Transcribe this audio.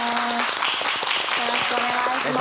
よろしくお願いします。